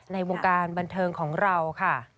ในวงการบันเทิงของเราค่ะ